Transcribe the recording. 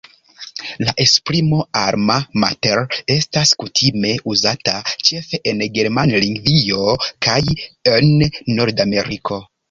La esprimo "Alma mater" estas kutime uzata ĉefe en Germanlingvio kaj en Nordameriko.